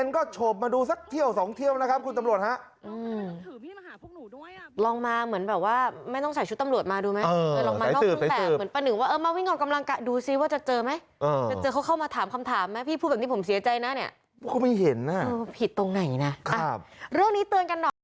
ก็ไม่เห็นน่ะผิดตรงไหนนะครับเรื่องนี้เตือนกัน